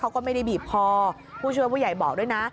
เขาก็ไม่ได้บีบคอผู้ช่วยผู้ใหญ่บอกด้วยนะ